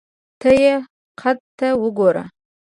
ته یې قد ته وګوره !